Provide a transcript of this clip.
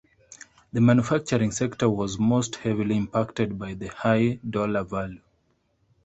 The manufacturing sector was most heavily impacted by the high dollar value.